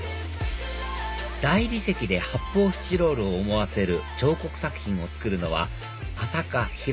大理石で発泡スチロールを思わせる彫刻作品を作るのは浅香弘